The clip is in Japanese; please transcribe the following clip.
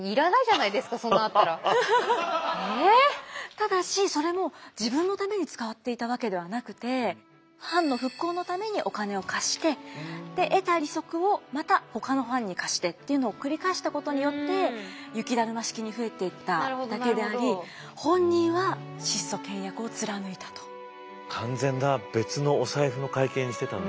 ただしそれも自分のために使っていたわけではなくて藩の復興のためにお金を貸してで得た利息をまたほかの藩に貸してっていうのを繰り返したことによって雪だるま式に増えていっただけであり完全な別のお財布の会計にしてたんだ。